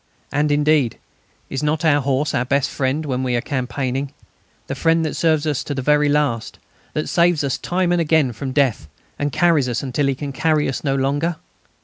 And, indeed, is not our horse our best friend when we are campaigning the friend that serves us well to the very last, that saves us time and again from death, and carries us until he can carry us no longer?